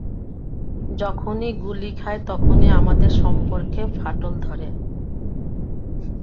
যখন গুলি খাই, তখনই আমাদের সম্পর্কে ফাটল ধরে।